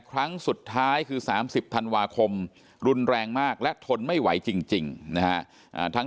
ครั้งสุดท้ายคือ๓๐ธันวาคมรุนแรงมากและทนไม่ไหวจริงนะฮะ